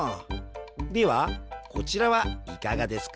ではこちらはいかがですか？